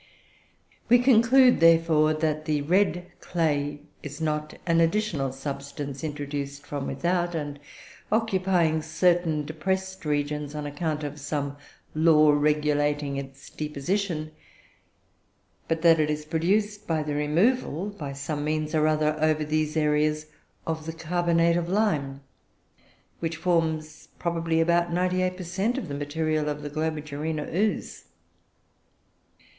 "We conclude, therefore, that the 'red clay' is not an additional substance introduced from without, and occupying certain depressed regions on account of some law regulating its deposition, but that it is produced by the removal, by some means or other, over these areas, of the carbonate of lime, which forms probably about 98 per cent. of the material of the Globigerina ooze.